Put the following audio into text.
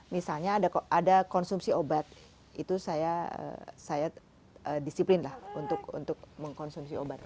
misalnya ada konsumsi obat itu saya disiplin lah untuk mengkonsumsi obat